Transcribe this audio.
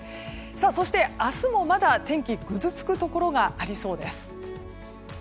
そして明日もまだ、天気がぐずつくところがありそうです。